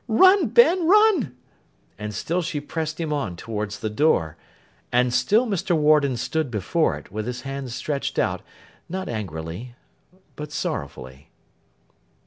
Run, Ben, run!' And still she pressed him on towards the door, and still Mr. Warden stood before it, with his hand stretched out, not angrily, but sorrowfully.